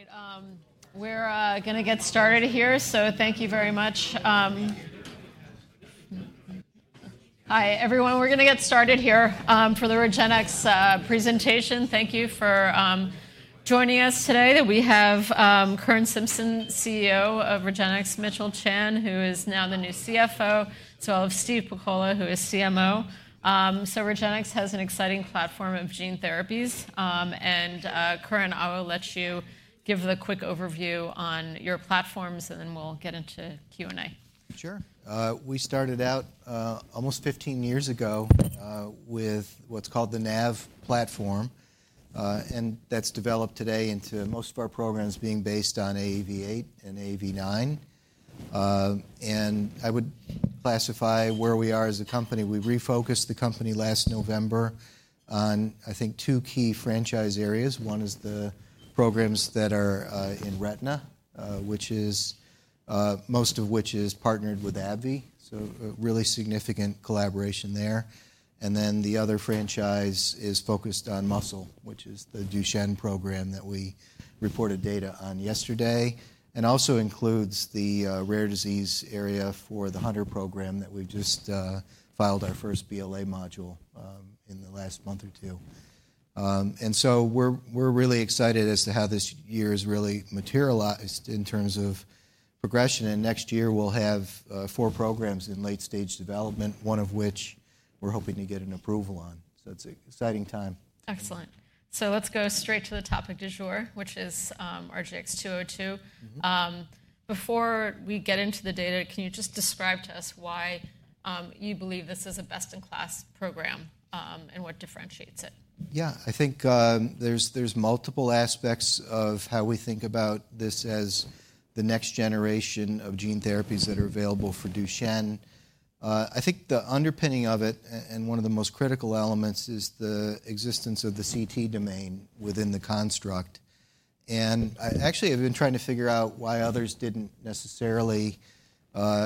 Great. We're going to get started here, so thank you very much. Hi, everyone. We're going to get started here for the REGENXBIO presentation. Thank you for joining us today. We have Curran Simpson, CEO of REGENXBIO, Mitchell Chan, who is now the new CFO, as well, Steve Pakola, who is CMO. So REGENXBIO has an exciting platform of gene therapies, and Curran, I'll let you give the quick overview on your platforms, and then we'll get into Q&A. Sure. We started out almost 15 years ago with what's called the NAV platform, and that's developed today into most of our programs being based on AAV8 and AAV9. I would classify where we are as a company. We refocused the company last November on, I think, two key franchise areas. One is the programs that are in retina, which is most of which is partnered with AbbVie, so a really significant collaboration there. Then the other franchise is focused on muscle, which is the Duchenne program that we reported data on yesterday, and also includes the rare disease area for the Hunter program that we've just filed our first BLA module in the last month or two. So we're really excited as to how this year has really materialized in terms of progression. And next year, we'll have four programs in late-stage development, one of which we're hoping to get an approval on. So it's an exciting time. Excellent. So let's go straight to the topic du jour, which is RGX-202. Before we get into the data, can you just describe to us why you believe this is a best-in-class program and what differentiates it? Yeah, I think there's multiple aspects of how we think about this as the next generation of gene therapies that are available for Duchenne. I think the underpinning of it, and one of the most critical elements, is the existence of the CT domain within the construct. And I actually have been trying to figure out why others didn't necessarily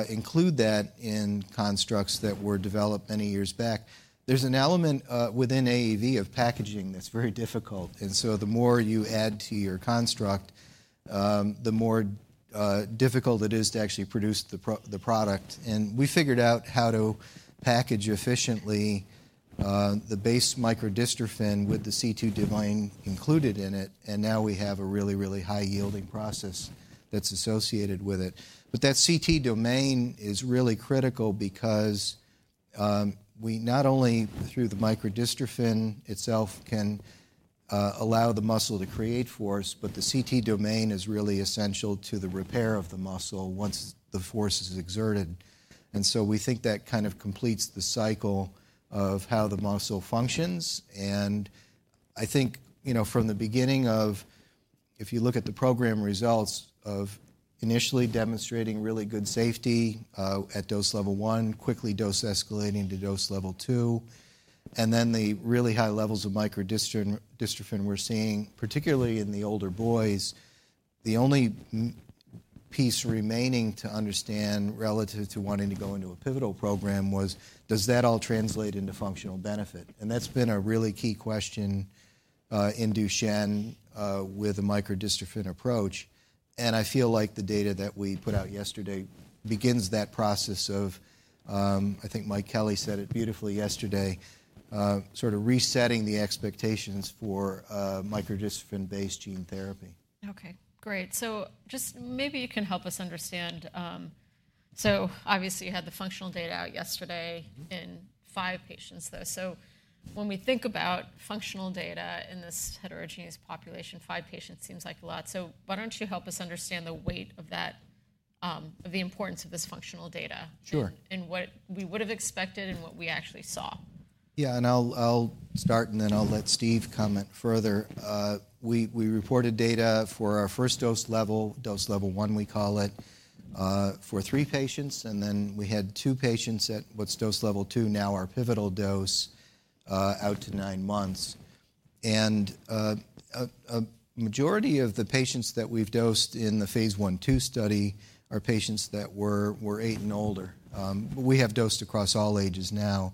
include that in constructs that were developed many years back. There's an element within AAV of packaging that's very difficult. And so the more you add to your construct, the more difficult it is to actually produce the product. And we figured out how to package efficiently the base microdystrophin with the CT domain included in it, and now we have a really, really high-yielding process that's associated with it. But that CT domain is really critical because we not only, through the microdystrophin itself, can allow the muscle to create force, but the CT domain is really essential to the repair of the muscle once the force is exerted. And so we think that kind of completes the cycle of how the muscle functions. And I think, you know, from the beginning of if you look at the program results of initially demonstrating really good safety at Dose Level 1, quickly dose escalating to Dose Level 2, and then the really high levels of microdystrophin we're seeing, particularly in the older boys, the only piece remaining to understand relative to wanting to go into a pivotal program was, does that all translate into functional benefit? And that's been a really key question in Duchenne with a microdystrophin approach. And I feel like the data that we put out yesterday begins that process of. I think Mike Kelly said it beautifully yesterday, sort of resetting the expectations for microdystrophin-based gene therapy. Okay, great. So just maybe you can help us understand. So obviously, you had the functional data out yesterday in five patients, though. So when we think about functional data in this heterogeneous population, five patients seems like a lot. So why don't you help us understand the weight of that, of the importance of this functional data? Sure. What we would have expected and what we actually saw. Yeah, and I'll start, and then I'll let Steve comment further. We reported data for our first dose level, Dose Level 1, we call it, for three patients. And then we had two patients at what's Dose Level 2, now our pivotal dose, out to nine months. And a majority of the patients that we've dosed in the phase I/II study are patients that were eight and older. We have dosed across all ages now.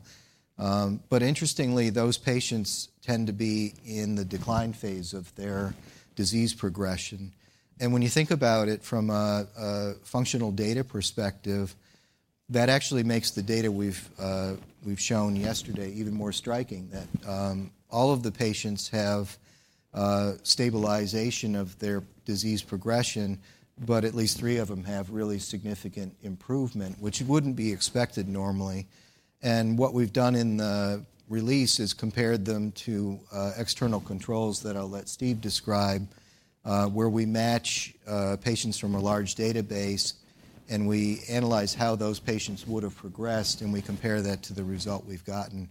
But interestingly, those patients tend to be in the decline phase of their disease progression. And when you think about it from a functional data perspective, that actually makes the data we've shown yesterday even more striking, that all of the patients have stabilization of their disease progression, but at least three of them have really significant improvement, which wouldn't be expected normally. What we've done in the release is compared them to external controls that I'll let Steve describe, where we match patients from a large database, and we analyze how those patients would have progressed, and we compare that to the result we've gotten.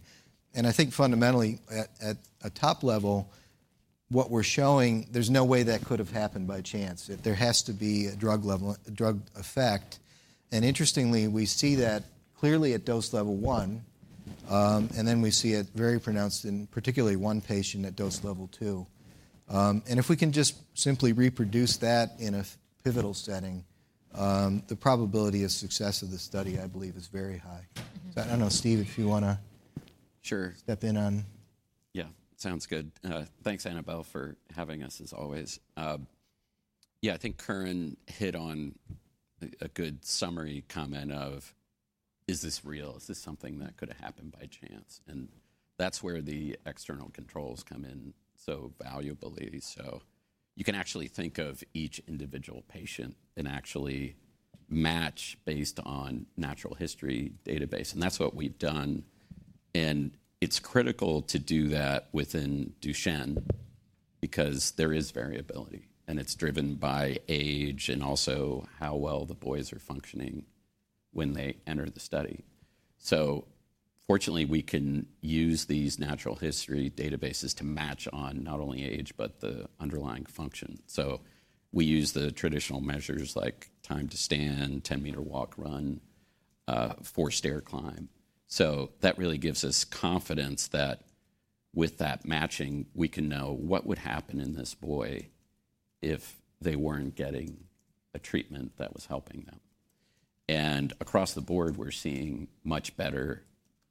I think fundamentally, at a top level, what we're showing, there's no way that could have happened by chance. There has to be a drug effect. Interestingly, we see that clearly at Dose Level 1, and then we see it very pronounced in particularly one patient at Dose Level 2. If we can just simply reproduce that in a pivotal setting, the probability of success of the study, I believe, is very high. I don't know, Steve, if you want to step in on. Sure. Yeah, sounds good. Thanks, Annabel, for having us, as always. Yeah, I think Curran hit on a good summary comment of, is this real? Is this something that could have happened by chance? And that's where the external controls come in so valuably. So you can actually think of each individual patient and actually match based on natural history database. And that's what we've done. And it's critical to do that within Duchenne because there is variability, and it's driven by age and also how well the boys are functioning when they enter the study. So fortunately, we can use these natural history databases to match on not only age, but the underlying function. So we use the traditional measures like time to stand, 10-meter walk/run, four-stair climb. That really gives us confidence that with that matching, we can know what would happen in this boy if they weren't getting a treatment that was helping them. And across the board, we're seeing much better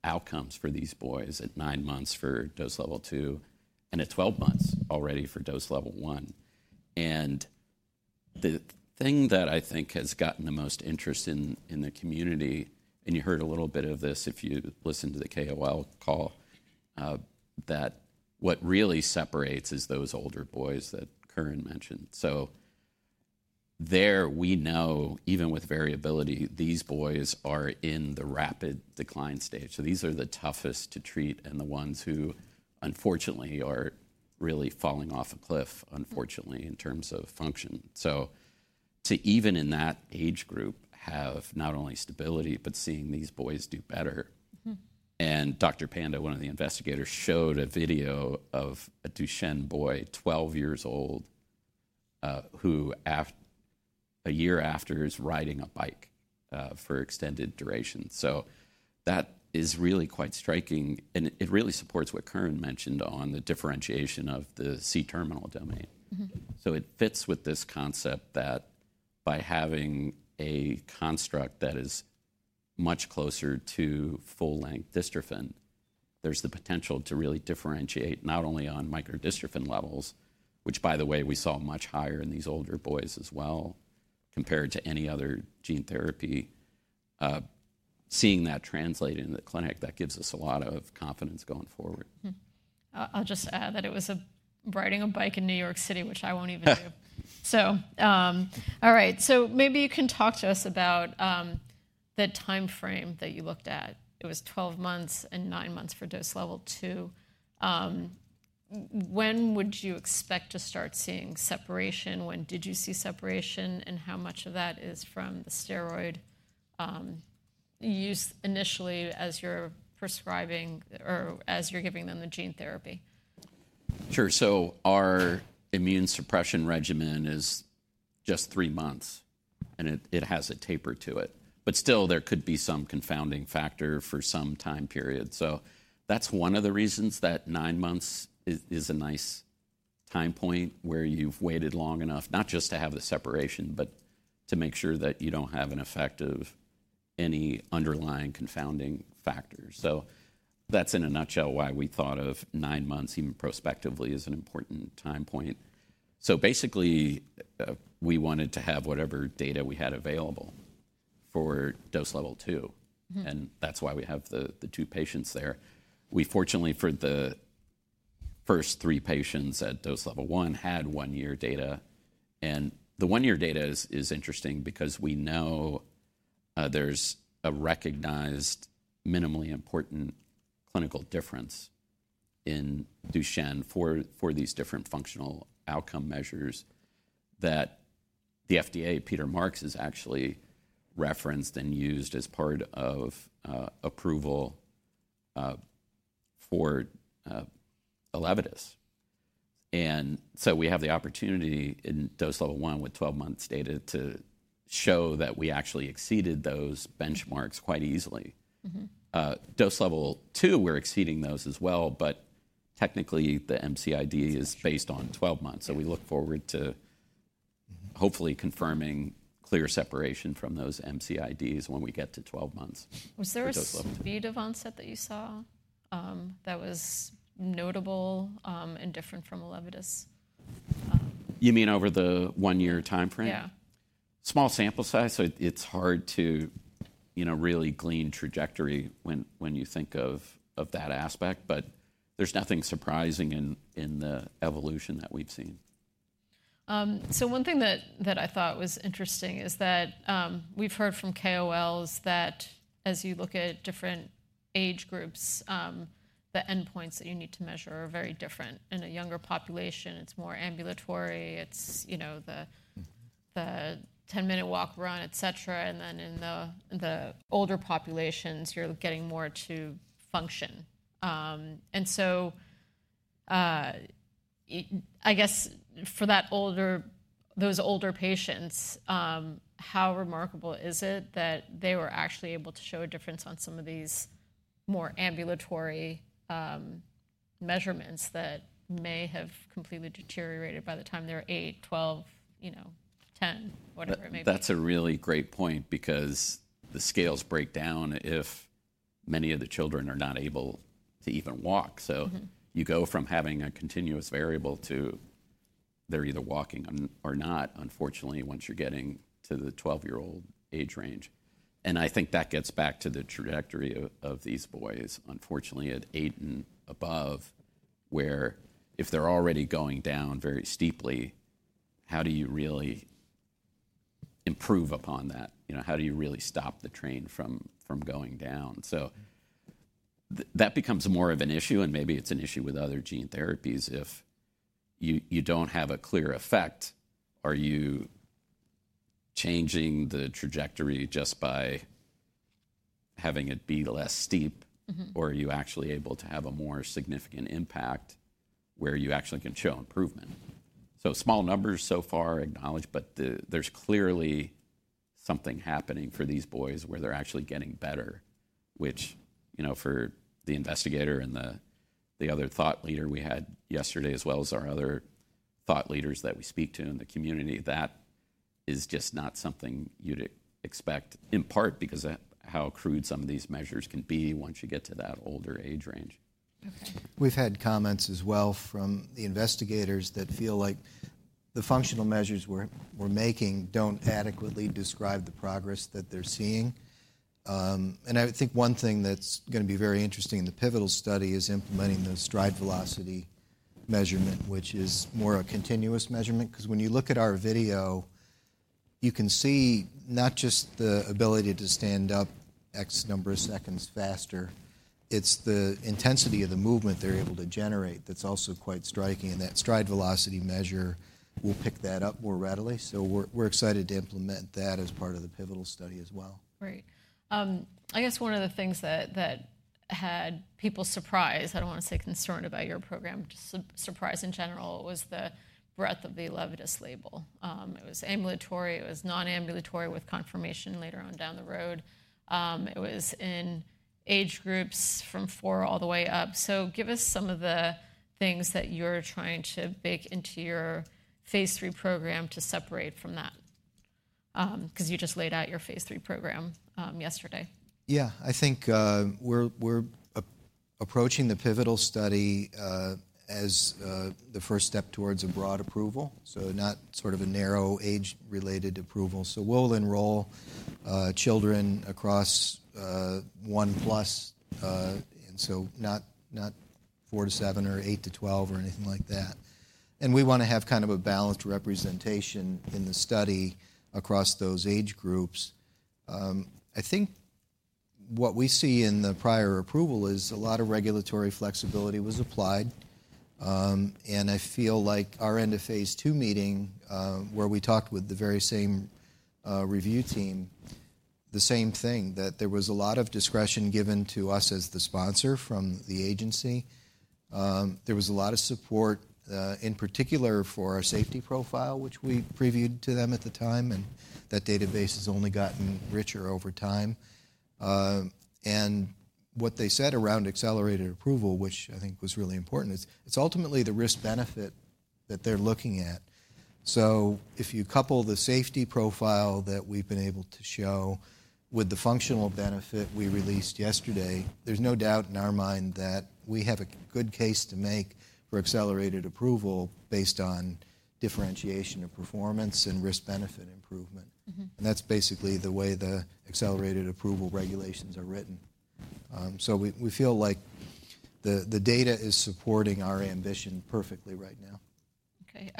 outcomes for these boys at nine months for Dose Level 2, and at 12 months already for Dose Level 1. And the thing that I think has gotten the most interest in the community, and you heard a little bit of this if you listened to the KOL call, that what really separates is those older boys that Curran mentioned. So there, we know, even with variability, these boys are in the rapid decline stage. So these are the toughest to treat and the ones who unfortunately are really falling off a cliff, unfortunately, in terms of function. So too even in that age group have not only stability, but seeing these boys do better. And Dr. Panda, one of the investigators, showed a video of a Duchenne boy, 12 years old, who a year after is riding a bike for extended duration. So that is really quite striking, and it really supports what Curran mentioned on the differentiation of the C-terminal domain. So it fits with this concept that by having a construct that is much closer to full-length dystrophin, there's the potential to really differentiate not only on microdystrophin levels, which, by the way, we saw much higher in these older boys as well, compared to any other gene therapy. Seeing that translate into the clinic, that gives us a lot of confidence going forward. I'll just add that it was riding a bike in New York City, which I won't even do. So all right, so maybe you can talk to us about the time frame that you looked at. It was 12 months and nine months for Dose Level 2. When would you expect to start seeing separation? When did you see separation, and how much of that is from the steroid use initially as you're prescribing or as you're giving them the gene therapy? Sure. So our immune suppression regimen is just three months, and it has a taper to it. But still, there could be some confounding factor for some time period. So that's one of the reasons that nine months is a nice time point where you've waited long enough, not just to have the separation, but to make sure that you don't have an effect of any underlying confounding factors. So that's in a nutshell why we thought of nine months, even prospectively, as an important time point. So basically, we wanted to have whatever data we had available for Dose Level 2, and that's why we have the two patients there. We, fortunately, for the first three patients at Dose Level 2, had one-year data. And the one-year data is interesting because we know there's a recognized minimal clinically important difference in Duchenne for these different functional outcome measures that the FDA, Dr. Peter Marks, has actually referenced and used as part of approval for Elevidys. And so we have the opportunity in Dose Level 1 with 12-month data to show that we actually exceeded those benchmarks quite easily. Dose Level 2, we're exceeding those as well, but technically, the MCID is based on 12 months. So we look forward to hopefully confirming clear separation from those MCIDs when we get to 12 months. Was there a speed of onset that you saw that was notable and different from Elevidys? You mean over the one-year time frame? Yeah. Small sample size, so it's hard to really glean trajectory when you think of that aspect, but there's nothing surprising in the evolution that we've seen. So one thing that I thought was interesting is that we've heard from KOLs that as you look at different age groups, the endpoints that you need to measure are very different. In a younger population, it's more ambulatory. It's the 10-meter walk/run, et cetera. And then in the older populations, you're getting more to function. And so I guess for those older patients, how remarkable is it that they were actually able to show a difference on some of these more ambulatory measurements that may have completely deteriorated by the time they were 8, 12, 10, whatever it may be? That's a really great point because the scales break down if many of the children are not able to even walk. So you go from having a continuous variable to they're either walking or not, unfortunately, once you're getting to the 12-year-old age range, and I think that gets back to the trajectory of these boys, unfortunately, at eight and above, where if they're already going down very steeply, how do you really improve upon that? How do you really stop the train from going down, so that becomes more of an issue, and maybe it's an issue with other gene therapies. If you don't have a clear effect, are you changing the trajectory just by having it be less steep, or are you actually able to have a more significant impact where you actually can show improvement? Small numbers so far acknowledged, but there's clearly something happening for these boys where they're actually getting better, which for the investigator and the other thought leader we had yesterday, as well as our other thought leaders that we speak to in the community, that is just not something you'd expect, in part because of how crude some of these measures can be once you get to that older age range. Okay. We've had comments as well from the investigators that feel like the functional measures we're making don't adequately describe the progress that they're seeing. And I think one thing that's going to be very interesting in the pivotal study is implementing the stride velocity measurement, which is more a continuous measurement. Because when you look at our video, you can see not just the ability to stand up X number of seconds faster, it's the intensity of the movement they're able to generate that's also quite striking. And that stride velocity measure will pick that up more readily. So we're excited to implement that as part of the pivotal study as well. Right. I guess one of the things that had people surprised, I don't want to say concerned about your program, just surprised in general, was the breadth of the Elevidys label. It was ambulatory. It was non-ambulatory with confirmation later on down the road. It was in age groups from four all the way up. So give us some of the things that you're trying to bake into your phase III program to separate from that because you just laid out your phase III program yesterday. Yeah, I think we're approaching the pivotal study as the first step towards a broad approval, so not sort of a narrow age-related approval. So we'll enroll children across one plus, so not four to seven or 8-12 or anything like that. And we want to have kind of a balanced representation in the study across those age groups. I think what we see in the prior approval is a lot of regulatory flexibility was applied. And I feel like our End of phase II meeting, where we talked with the very same review team, the same thing, that there was a lot of discretion given to us as the sponsor from the agency. There was a lot of support, in particular for our safety profile, which we previewed to them at the time. And that database has only gotten richer over time. And what they said around accelerated approval, which I think was really important, is it's ultimately the risk-benefit that they're looking at. So if you couple the safety profile that we've been able to show with the functional benefit we released yesterday, there's no doubt in our mind that we have a good case to make for accelerated approval based on differentiation of performance and risk-benefit improvement. And that's basically the way the accelerated approval regulations are written. So we feel like the data is supporting our ambition perfectly right now. Okay.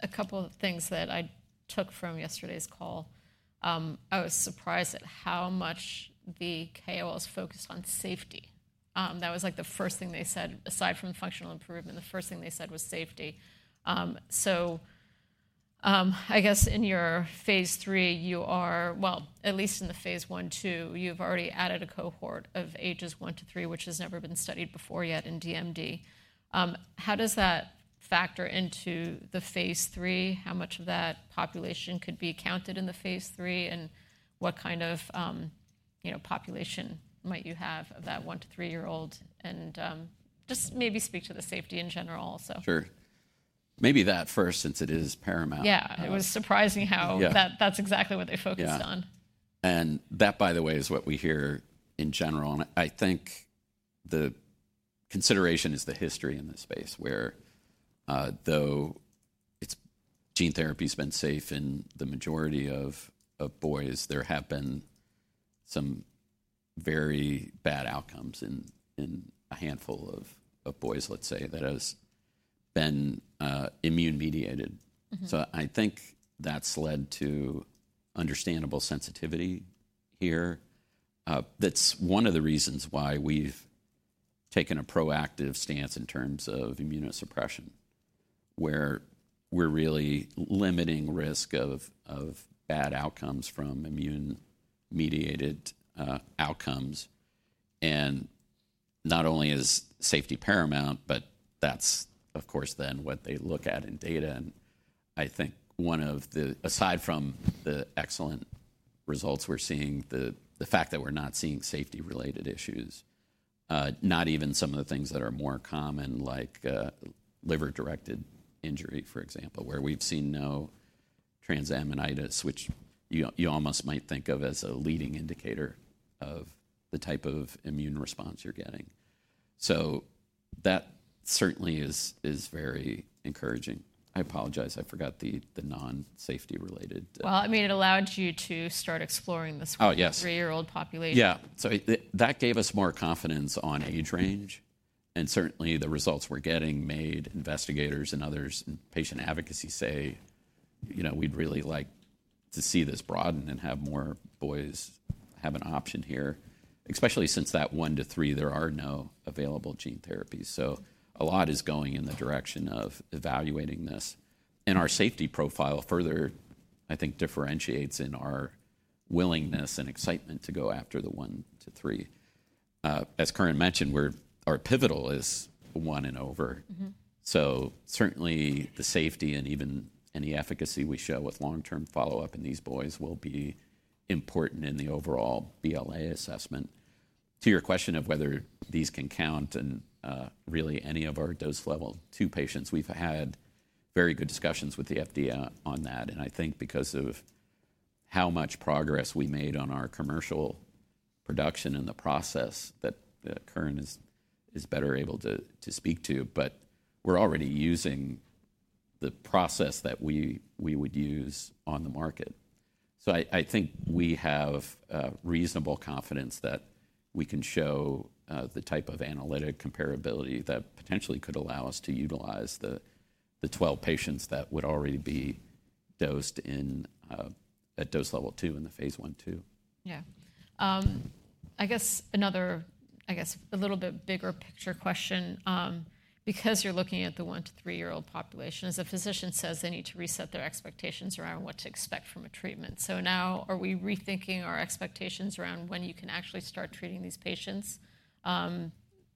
A couple of things that I took from yesterday's call. I was surprised at how much the KOLs focused on safety. That was like the first thing they said, aside from functional improvement, the first thing they said was safety. So I guess in your phase III, you are, well, at least in the phase I/II, you've already added a cohort of ages one to three, which has never been studied before yet in DMD. How does that factor into the phase III? How much of that population could be counted in the phase III? And what kind of population might you have of that one to three-year-old? And just maybe speak to the safety in general also. Sure. Maybe that first, since it is paramount. Yeah. It was surprising how that's exactly what they focused on. Yeah. And that, by the way, is what we hear in general. And I think the consideration is the history in this space, where though gene therapy has been safe in the majority of boys, there have been some very bad outcomes in a handful of boys, let's say, that have been immune-mediated. So I think that's led to understandable sensitivity here. That's one of the reasons why we've taken a proactive stance in terms of immunosuppression, where we're really limiting risk of bad outcomes from immune-mediated outcomes. And not only is safety paramount, but that's, of course, then what they look at in data. And I think one of the, aside from the excellent results we're seeing, the fact that we're not seeing safety-related issues, not even some of the things that are more common, like liver-directed injury, for example, where we've seen no transaminitis, which you almost might think of as a leading indicator of the type of immune response you're getting. So that certainly is very encouraging. I apologize. I forgot the non-safety-related. I mean, it allowed you to start exploring this three-year-old population. Oh, yes. Yeah. So that gave us more confidence on age range. And certainly, the results we're getting made investigators and others in patient advocacy say we'd really like to see this broaden and have more boys have an option here, especially since that one to three, there are no available gene therapies. So a lot is going in the direction of evaluating this. And our safety profile further, I think, differentiates in our willingness and excitement to go after the one to three. As Curran mentioned, our pivotal is one and over. So certainly, the safety and even any efficacy we show with long-term follow-up in these boys will be important in the overall BLA assessment. To your question of whether these can count in really any of our Dose Level 2 patients, we've had very good discussions with the FDA on that. And I think because of how much progress we made on our commercial production in the process that Curran is better able to speak to, but we're already using the process that we would use on the market. So I think we have reasonable confidence that we can show the type of analytic comparability that potentially could allow us to utilize the 12 patients that would already be dosed at Dose Level 2 in the phase I/II. Yeah. I guess another, I guess, a little bit bigger picture question, because you're looking at the one-to three-year-old population, as a physician says, they need to reset their expectations around what to expect from a treatment. So now, are we rethinking our expectations around when you can actually start treating these patients?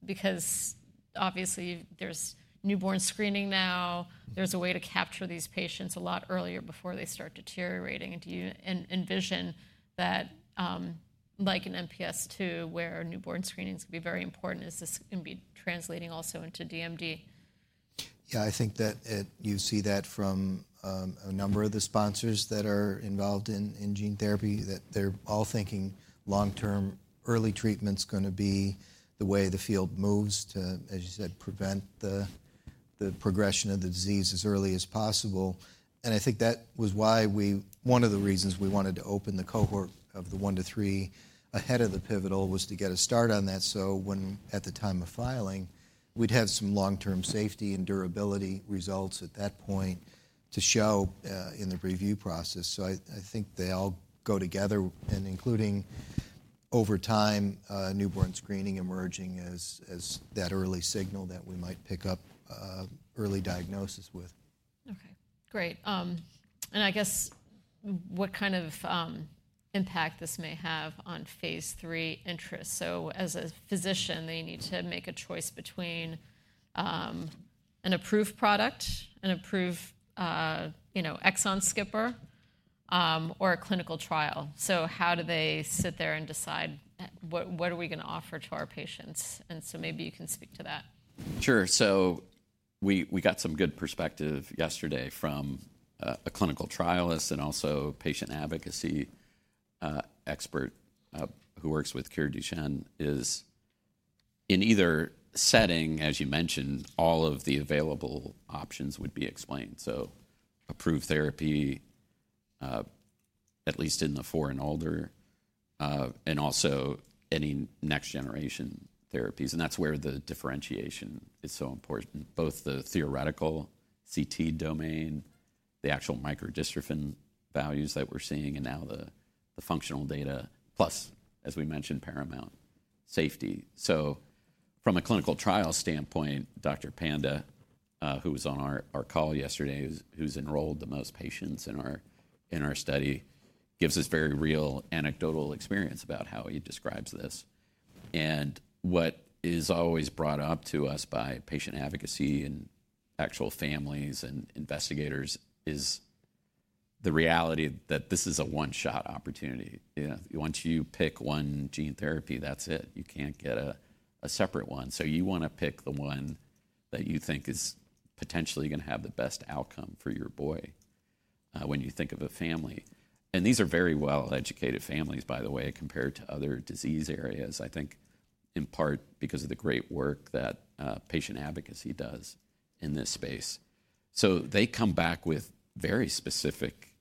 Because obviously, there's newborn screening now. There's a way to capture these patients a lot earlier before they start deteriorating, and do you envision that, like in MPS II, where newborn screening is going to be very important, is this going to be translating also into DMD? Yeah, I think that you see that from a number of the sponsors that are involved in gene therapy, that they're all thinking long-term early treatment is going to be the way the field moves to, as you said, prevent the progression of the disease as early as possible. And I think that was why we, one of the reasons we wanted to open the cohort of the one to three ahead of the pivotal was to get a start on that so when, at the time of filing, we'd have some long-term safety and durability results at that point to show in the review process. So I think they all go together, including over time, newborn screening emerging as that early signal that we might pick up early diagnosis with. Okay. Great. And I guess what kind of impact this may have on phase III interest? So as a physician, they need to make a choice between an approved product, an approved exon skipper, or a clinical trial. So how do they sit there and decide what are we going to offer to our patients? And so maybe you can speak to that. Sure. So we got some good perspective yesterday from a clinical trialist and also patient advocacy expert who works with CureDuchenne in either setting, as you mentioned, all of the available options would be explained. So approved therapy, at least in the four and older, and also any next-generation therapies. And that's where the differentiation is so important, both the theoretical CT domain, the actual microdystrophin values that we're seeing, and now the functional data, plus, as we mentioned, paramount safety. So from a clinical trial standpoint, Dr. Panda, who was on our call yesterday, who's enrolled the most patients in our study, gives us very real anecdotal experience about how he describes this. And what is always brought up to us by patient advocacy and actual families and investigators is the reality that this is a one-shot opportunity. Once you pick one gene therapy, that's it. You can't get a separate one. So you want to pick the one that you think is potentially going to have the best outcome for your boy when you think of a family. And these are very well-educated families, by the way, compared to other disease areas, I think in part because of the great work that patient advocacy does in this space. So they come back with very specific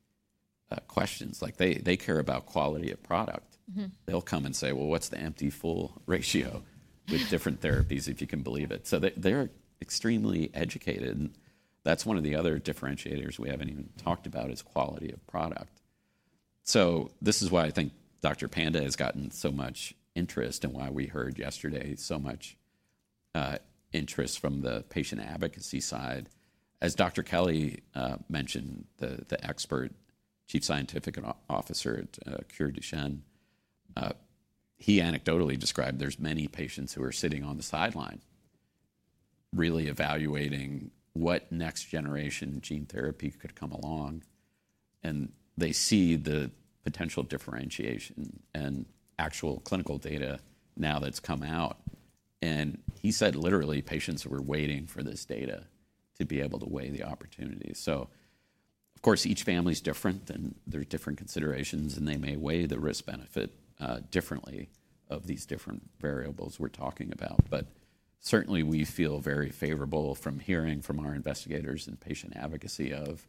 questions. They care about quality of product. They'll come and say, well, what's the empty-full ratio with different therapies, if you can believe it? So they're extremely educated. And that's one of the other differentiators we haven't even talked about is quality of product. So this is why I think Dr. Panda has gotten so much interest and why we heard yesterday so much interest from the patient advocacy side. As Dr. Kelly mentioned, the expert Chief Scientific Officer at CureDuchenne, he anecdotally described there's many patients who are sitting on the sideline really evaluating what next-generation gene therapy could come along. And they see the potential differentiation and actual clinical data now that's come out. And he said literally patients were waiting for this data to be able to weigh the opportunity. So of course, each family is different, and there are different considerations, and they may weigh the risk-benefit differently of these different variables we're talking about. But certainly, we feel very favorable from hearing from our investigators and patient advocacy of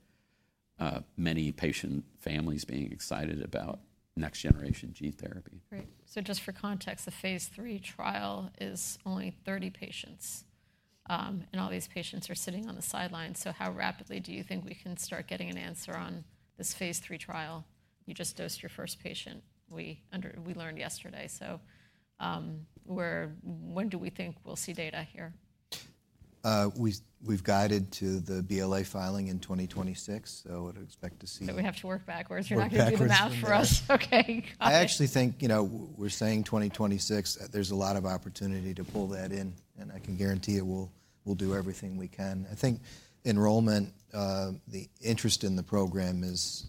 many patient families being excited about next-generation gene therapy. Right. So just for context, the phase III trial is only 30 patients. And all these patients are sitting on the sidelines. So how rapidly do you think we can start getting an answer on this phase III trial? You just dosed your first patient, we learned yesterday. So when do we think we'll see data here? We've guided to the BLA filing in 2026, so we'd expect to see. So we have to work backwards. You're not going to do math for us. Okay. I actually think we're saying 2026. There's a lot of opportunity to pull that in, and I can guarantee it will do everything we can. I think enrollment, the interest in the program is,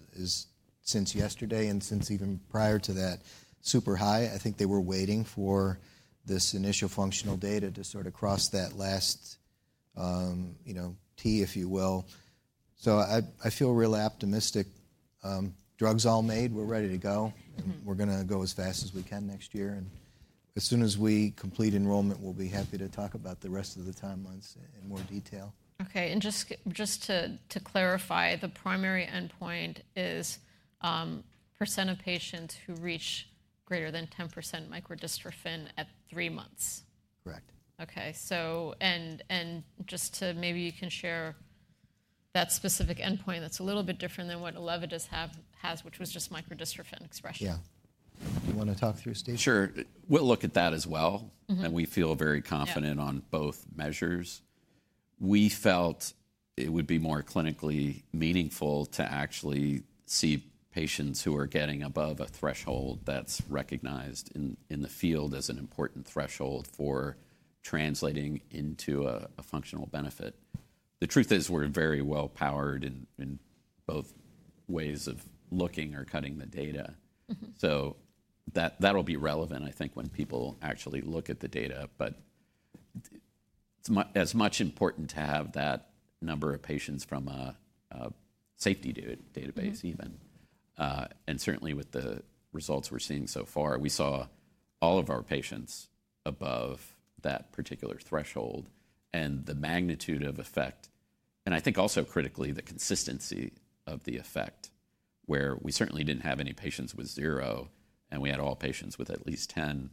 since yesterday and since even prior to that, super high. I think they were waiting for this initial functional data to sort of cross that last T, if you will, so I feel real optimistic. Drug's all made. We're ready to go, and we're going to go as fast as we can next year, and as soon as we complete enrollment, we'll be happy to talk about the rest of the timelines in more detail. Okay. And just to clarify, the primary endpoint is percent of patients who reach greater than 10% microdystrophin at three months. Correct. Okay. And just to maybe you can share that specific endpoint that's a little bit different than what Elevidys has, which was just microdystrophin expression. Yeah. Do you want to talk through a stage? Sure. We'll look at that as well. And we feel very confident on both measures. We felt it would be more clinically meaningful to actually see patients who are getting above a threshold that's recognized in the field as an important threshold for translating into a functional benefit. The truth is we're very well-powered in both ways of looking or cutting the data. So that'll be relevant, I think, when people actually look at the data. But it's as much important to have that number of patients from a safety database even. And certainly, with the results we're seeing so far, we saw all of our patients above that particular threshold. And the magnitude of effect, and I think also critically the consistency of the effect, where we certainly didn't have any patients with zero, and we had all patients with at least 10.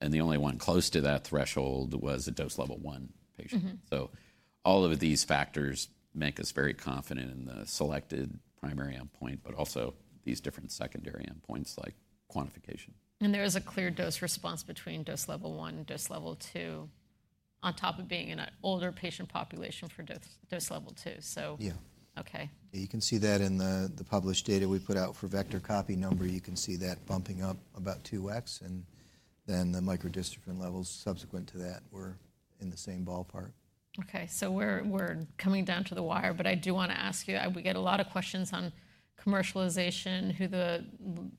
And the only one close to that threshold was a Dose Level 1 patient. So all of these factors make us very confident in the selected primary endpoint, but also these different secondary endpoints like quantification. There is a clear dose-response between Dose Level 1 and Dose Level 2 on top of being an older patient population for Dose Level 2. So, okay. Yeah. You can see that in the published data we put out for vector copy number. You can see that bumping up about 2x, and then the microdystrophin levels subsequent to that were in the same ballpark. Okay, so we're coming down to the wire, but I do want to ask you: we get a lot of questions on commercialization,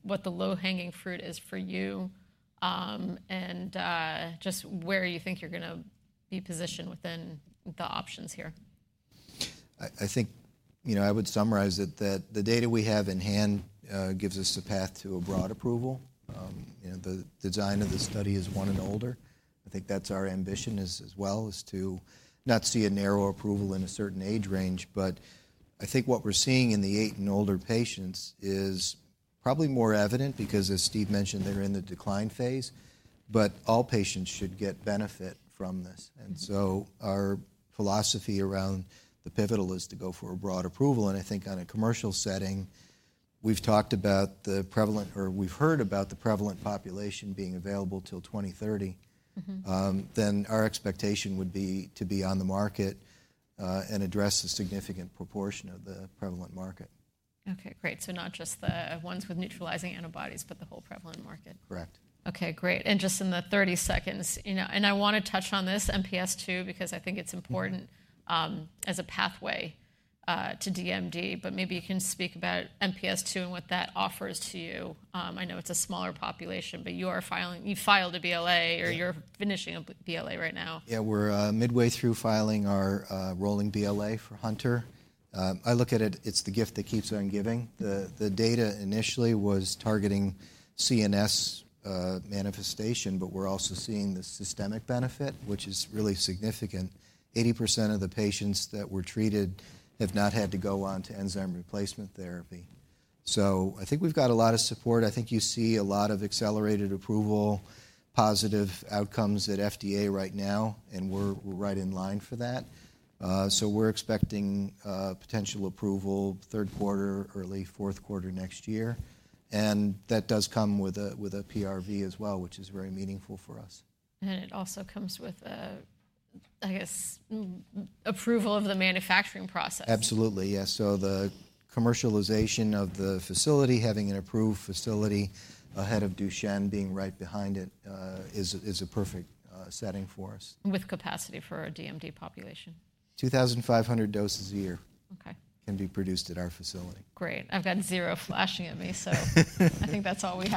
what the low-hanging fruit is for you, and just where you think you're going to be positioned within the options here. I think I would summarize it that the data we have in hand gives us a path to a broad approval. The design of the study is four and older. I think that's our ambition as well, is to not see a narrow approval in a certain age range. But I think what we're seeing in the eight and older patients is probably more evident because, as Steve mentioned, they're in the decline phase. But all patients should get benefit from this, and so our philosophy around the pivotal is to go for a broad approval, and I think on a commercial setting, we've talked about the prevalent, or we've heard about the prevalent population being available till 2030, then our expectation would be to be on the market and address a significant proportion of the prevalent market. Okay. Great. So not just the ones with neutralizing antibodies, but the whole prevalent market. Correct. Okay. Great. And just in the 30 seconds, I want to touch on this MPS II because I think it's important as a pathway to DMD. But maybe you can speak about MPS II and what that offers to you. I know it's a smaller population, but you filed a BLA or you're finishing a BLA right now. Yeah, we're midway through filing our rolling BLA for Hunter. I look at it, it's the gift that keeps on giving. The data initially was targeting CNS manifestation, but we're also seeing the systemic benefit, which is really significant. 80% of the patients that were treated have not had to go on to enzyme replacement therapy. So I think we've got a lot of support. I think you see a lot of accelerated approval, positive outcomes at FDA right now, and we're right in line for that. So we're expecting potential approval third quarter, early fourth quarter next year. And that does come with a PRV as well, which is very meaningful for us. It also comes with, I guess, approval of the manufacturing process. Absolutely. Yeah. So the commercialization of the facility, having an approved facility ahead of Duchenne being right behind it, is a perfect setting for us. With capacity for a DMD population. 2,500 doses a year can be produced at our facility. Great. I've got zero flashing at me. So I think that's all we have.